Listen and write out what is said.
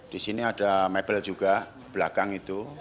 di sini ada mebel juga belakang itu